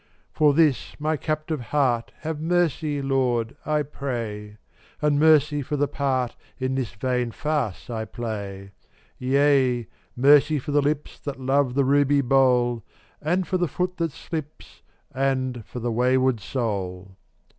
423 For this my captive heart Have mercy, Lord, I pray, And mercy for the part In this vain farce I play; Yea, mercy for the lips That love the ruby bowl, And for the foot that slips, And for the wayward soul.